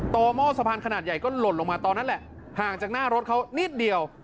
หม้อสะพานขนาดใหญ่ก็หล่นลงมาตอนนั้นแหละห่างจากหน้ารถเขานิดเดียว